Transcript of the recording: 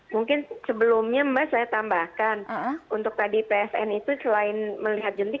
mungkin sebelumnya mbak saya tambahkan untuk tadi psn itu selain melihat jentik